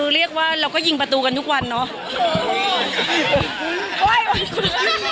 เรียกว่าเราก็ยิงประตูกันทุกวันเนาะ